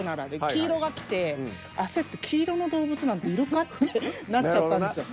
黄色がきて焦って黄色の動物なんているか？ってなっちゃったんですよ。